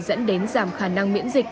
dẫn đến giảm khả năng miễn dịch